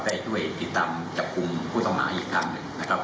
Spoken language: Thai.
ได้ช่วยติดตามจับกลุ่มผู้ต้องหาอีกครั้งหนึ่งนะครับ